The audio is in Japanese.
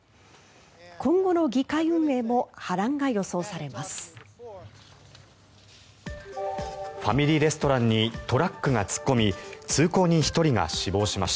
今後の議会運営も波乱が予想されます。